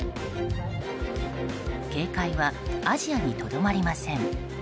警戒はアジアにとどまりません。